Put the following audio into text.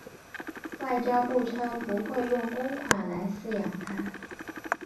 外交部称不会用公款来饲养它。